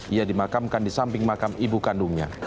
ia dimakamkan di samping makam ibu kandungnya